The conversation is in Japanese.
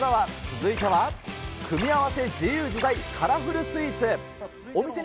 続いては、組み合わせ自由自在！カラフルスイーツ。